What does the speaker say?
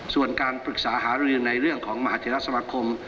ส่วนการปรึกษาหารือในเรื่องของมหาเทราสมาคม